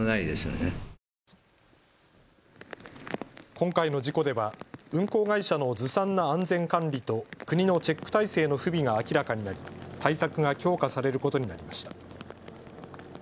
今回の事故では運航会社のずさんな安全管理と国のチェック体制の不備が明らかになり対策が強化されることになりました。